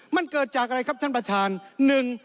มันเกิดจากอะไรครับท่านประธาน